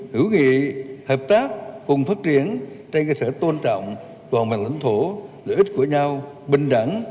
hữu nghị hợp tác cùng phát triển trên cơ sở tôn trọng toàn mạng lãnh thổ lợi ích của nhau bình đẳng